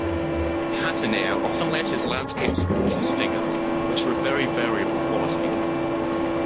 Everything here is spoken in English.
Patinir often let his landscapes dwarf his figures, which are of very variable quality.